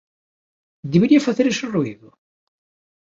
Debería facer ese ruído?